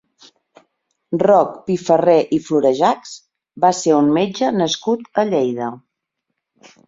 Roc Pifarré i Florejachs va ser un metge nascut a Lleida.